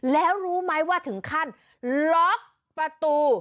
แล้วรู้ไหมว่าถึงขั้นล็อกประตู